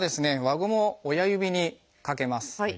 輪ゴムを親指にかけます。